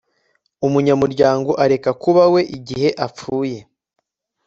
umunyamuryango areka kuba we igihe apfuye